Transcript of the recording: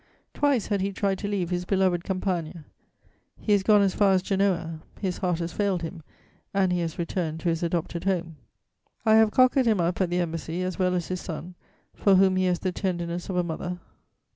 Twice had he tried to leave his beloved campagne; he has gone as far as Genoa; his heart has failed him, and he has returned to his adopted home. I have cockered him up at the Embassy, as well as his son, for whom he has the tenderness of a mother.